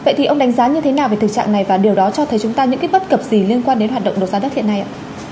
vậy thì ông đánh giá như thế nào về thực trạng này và điều đó cho thấy chúng ta những cái bất cập gì liên quan đến hoạt động đấu giá đất hiện nay ạ